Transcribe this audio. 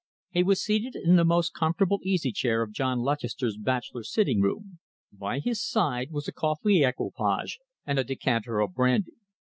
He was seated in the most comfortable easy chair of John Lutchester's bachelor sitting room. By his side was a coffee equipage and a decanter of brandy.